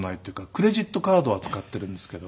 クレジットカードは使ってるんですけど。